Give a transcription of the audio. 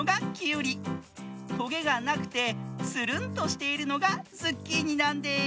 トゲがなくてつるんとしているのがズッキーニなんです。